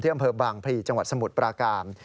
เที่ยวอำเภอบางภีร์จังหวัดสมุทรประการ